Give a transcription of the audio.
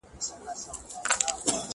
نورو ته د خبرو کولو وخت ورکړئ.